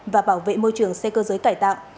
và bảo vệ môi trường xe cơ giới cải tạo